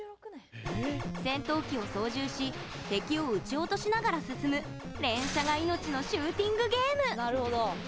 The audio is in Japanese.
戦闘機を操縦し敵を撃ち落としながら進む連射が命のシューティングゲーム。